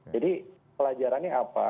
jadi pelajarannya apa